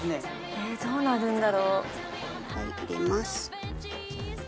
えどうなるんだろう。入れます。